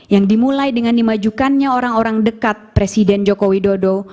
yang dimulai dengan dimajukannya orang orang dekat presiden joko widodo